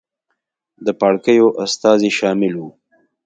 د پاړکیو استازي شامل وو.